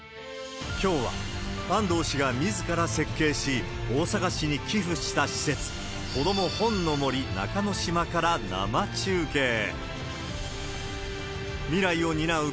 きょうは、安藤氏がみずから設計し、大阪市に寄付した施設、こども本の森中之島から生中継。